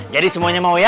jadi semuanya mau ya